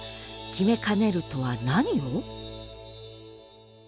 「決めかねる」とは何を？